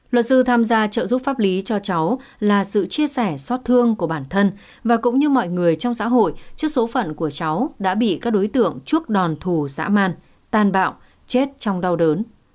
luật sư tham gia trợ giúp pháp lý cho cháu là sự chia sẻ xót thương của bản thân và cũng như mọi người trong xã hội trước số phận của cháu đã bị các đối tượng chuốc đòn thù dã man tàn bạo chết trong đau đớn